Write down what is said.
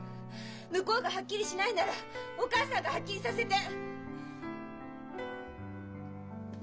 向こうがはっきりしないならお母さんがはっきりさせて！